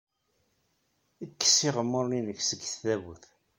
Kkes iɣemmuren-nnek seg tdabut.